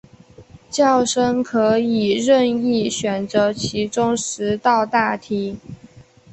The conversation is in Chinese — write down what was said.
考生可以任意选择其中十道大题